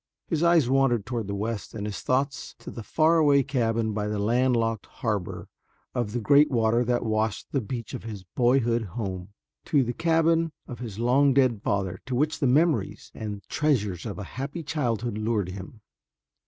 His eyes wandered toward the west and his thoughts to the far away cabin by the land locked harbor of the great water that washed the beach of his boyhood home to the cabin of his long dead father to which the memories and treasures of a happy childhood lured him.